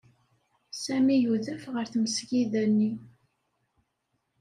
Sami yudef ɣer tmesgida-nni.